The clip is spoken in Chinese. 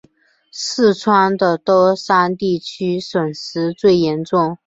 四川的多山地区损失最严重。